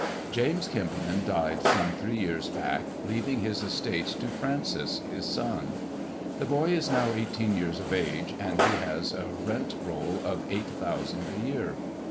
"James Kempion died some three years back, leaving his estates to Francis his son. The boy is now eighteen years of age, and ho has a rent roll of eight thousand a year.